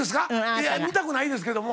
いや見たくないですけども。